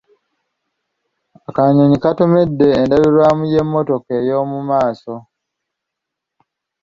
Akanyonyi katomedde endabirwamu y'emmotoka ey'omu maaso.